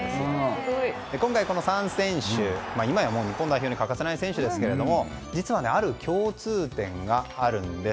今回、３選手、今や日本代表に欠かせない選手ですが実は、ある共通点があるんです。